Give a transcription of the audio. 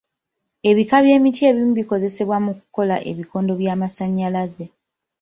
Ebika by'emiti ebimu bikozesebwa mu kukola ebikondo by'amasannyalaze.